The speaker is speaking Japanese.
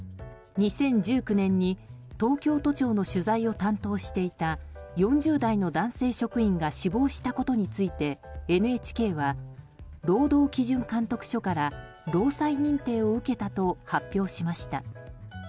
２０１９年に東京都庁の取材を担当していた４０代の男性職員が死亡したことについてＮＨＫは、労働基準監督署から労災認定を受けたと発表しました。